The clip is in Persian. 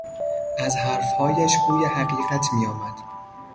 از حرفهایش بوی حقیقت میآمد.